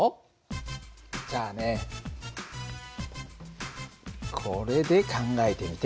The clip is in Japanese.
じゃあねこれで考えてみて。